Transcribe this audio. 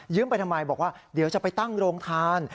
ไปทำไมบอกว่าเดี๋ยวจะไปตั้งโรงทาน